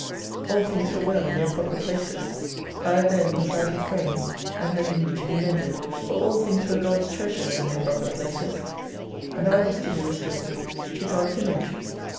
All things were well in their proper places, I alone was out of frame and had need to be mended. For all things were God's treasures in their proper places, and I was to be restored to God's Image.